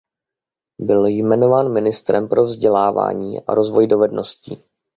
Byl jmenován ministrem pro vzdělávání a rozvoj dovedností.